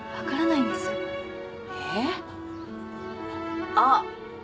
えっ？あっ。